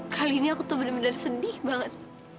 kali ini aku tuh bener bener sedih banget